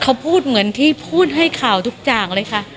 เขาพูดเหมือนที่พูดให้ข่าวทุกอย่างเลยค่ะ